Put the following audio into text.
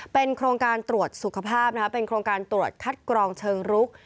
เป็นโครงการตรวจสุขภาพเป็นโครงการตรวจคัดกรองเชิงรุก